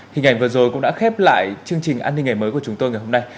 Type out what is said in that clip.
hình ảnh vừa rồi cũng đã khép lại chương trình an ninh ngày mới của chúng tôi ngày hôm nay